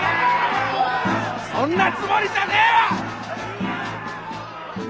そんなつもりじゃねえわ！